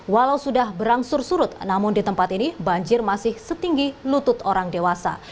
walau sudah berangsur surut namun di tempat ini banjir masih setinggi lutut orang dewasa